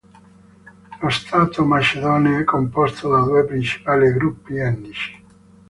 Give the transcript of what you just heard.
Lo Stato macedone è composto da due principali gruppi etnici.